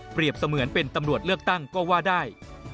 เสมือนเป็นตำรวจเลือกตั้งก็ว่าได้